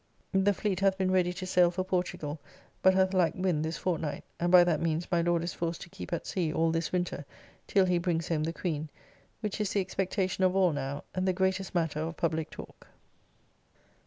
The fleet hath been ready to sail for Portugall, but hath lacked wind this fortnight, and by that means my Lord is forced to keep at sea all this winter, till he brings home the Queen, which is the expectation of all now, and the greatest matter of publique talk.